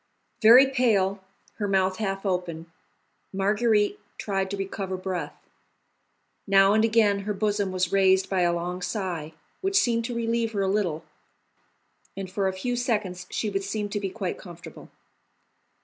Very pale, her mouth half open, Marguerite tried to recover breath. Now and again her bosom was raised by a long sigh, which seemed to relieve her a little, and for a few seconds she would seem to be quite comfortable.